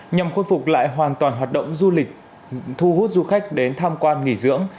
nhằm khôi phục lại hoàn toàn hoạt động du lịch thu hút du khách đến tham quan nghỉ dưỡng